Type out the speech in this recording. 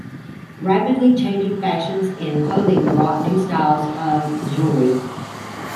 Rapidly changing fashions in clothing brought new styles of jewelry.